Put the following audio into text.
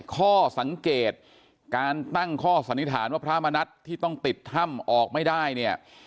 ข้อสังเกตการตั้งข้อสันนิษฐานว่าพระมณัฐที่ต้องติดถ้ำออกไม่ได้เนี่ย